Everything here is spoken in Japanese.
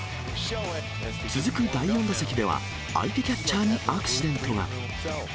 続く第４打席では、相手キャッチャーにアクシデントが。